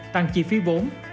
tăng chi phí vốn